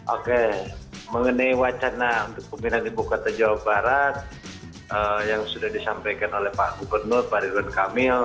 oke mengenai wacana untuk pemindahan ibu kota jawa barat yang sudah disampaikan oleh pak gubernur pak ridwan kamil